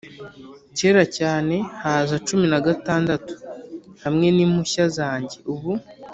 kera cyane haza cumi na gatandatu, hamwe nimpushya zanjye ubu